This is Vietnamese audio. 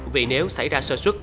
vì nếu xảy ra sơ xuất